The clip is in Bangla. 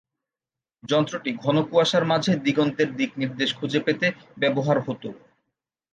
যন্ত্রটি ঘন কুয়াশার মাঝে দিগন্তের দিক নির্দেশ খুঁজে পেতে ব্যবহার হত।